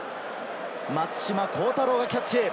松島幸太朗、キャッチ。